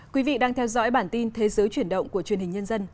quý vị đang theo dõi bản tin thế giới chuyển động của truyền hình nhân dân